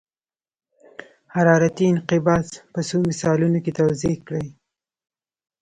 حرارتي انقباض په څو مثالونو کې توضیح کړئ.